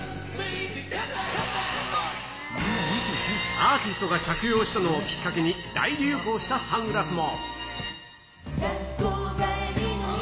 アーティストが着用したのをきっかけに、大流行したサングラスも。